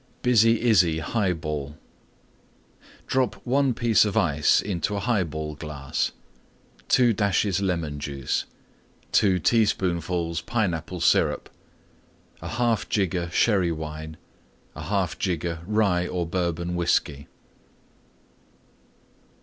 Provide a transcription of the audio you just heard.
BIZZY IZZY HIGH BALL Drop 1 piece of Ice into a Highball glass. 2 dashes Lemon Juice. 2 teaspoonfuls Pineapple Syrup. 1/2 jigger Sherry Wine. 1/2 jigger Rye or Bourbon Whiskey.